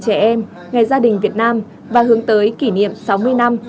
ngày một mươi ba tháng bảy ngày gia đình việt nam và hướng tới kỷ niệm sáu mươi năm